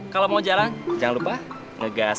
kalau mau jalan jangan lupa ngegas